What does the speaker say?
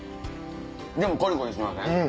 でもコリコリしません？